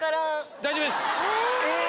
大丈夫です。